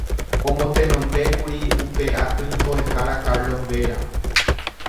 Omotenondékuri upe aty Mboʼehára Carlos Vera.